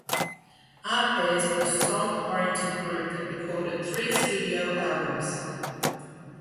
Art Bears were a song-oriented group that recorded three studio albums.